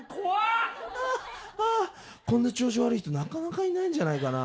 あー、こんな調子悪い人なかなかいないんじゃないかな。